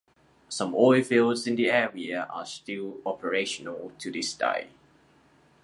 Some oil fields in the area are still operational to this day.